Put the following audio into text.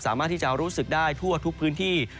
สามารถที่จะรู้สึกได้ทั่วทุกพื้นที่